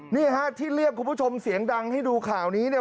นี่ฮะที่เรียกคุณผู้ชมเสียงดังให้ดูข่าวนี้เนี่ย